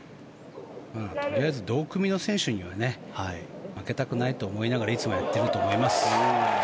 とりあえず同組の選手には負けたくないと思いながらいつもやっていると思います。